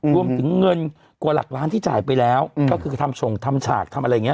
รวมถึงเงินกว่าหลักล้านที่จ่ายไปแล้วก็คือทำส่งทำฉากทำอะไรอย่างนี้